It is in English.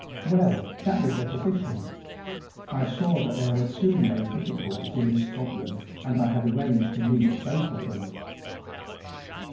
Well, that was the position. I saw that there were two main difficulties in this problem, and I had arranged tp meet both of them."